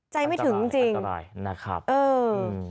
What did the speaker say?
ไม่ถึงจริงจริงอันตรายนะครับเออ